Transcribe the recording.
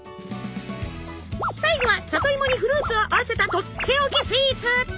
最後は里芋にフルーツを合わせたとっておきスイーツ。